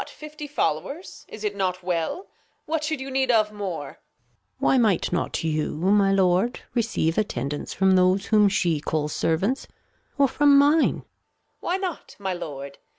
fifty Followers ? Is it not well ? What should you need of more ? Gon. Why might not you, my Lord, receive Attendance From those whom she calls Servants, or from mine ? Reg. Why not, my Lord?